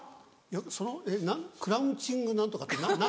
そのクラウチング何とかって何？